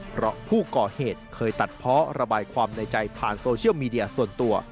เพราะผู้ก่อเหตุเคยตัดเพาะระบายความในใจผ่านโซเชียลมีเดียส่วนตัว